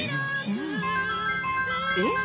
うん。えっ？